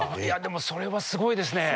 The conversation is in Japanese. それはすごいですね。